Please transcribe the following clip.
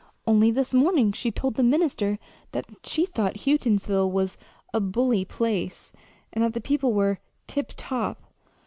Only this morning she told the minister that she thought Houghtonsville was a 'bully place,' and that the people were 'tiptop.'